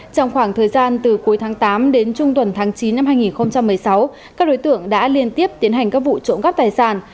trong khoảng thời gian từ cuối tháng tám đến trung tuần tháng chín năm hai nghìn một mươi sáu các đối tượng đã liên tiếp tiến hành các vụ trộm cắp tài sản